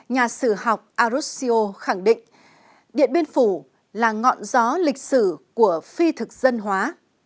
nhà sử học arusio khẳng định điện biên phủ là ngọn gió lịch sử của phi thực dân hóa